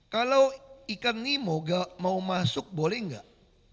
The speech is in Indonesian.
kalau ikan nemo mau masuk boleh enggak